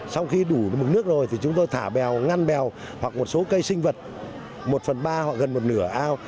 sau khi đủ mực nước rồi thì chúng tôi thả bèo ngăn bèo hoặc một số cây sinh vật một phần ba hoặc gần một nửa ao